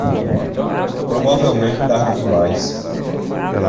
Provavelmente tarde demais